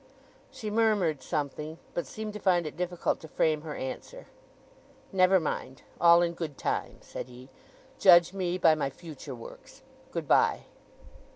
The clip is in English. She murmured something; but seemed to find it difficult to frame her answer. "Never mind—all in good time," said he. "Judge me by my future works—good bye!"